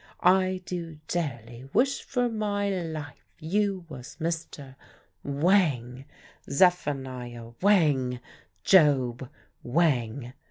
I do dearly wish for my life you was Mr. (whang) Zephaniah (whang) Job (whang).